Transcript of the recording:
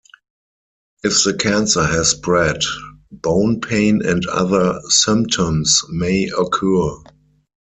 If the cancer has spread, bone pain and other symptoms may occur.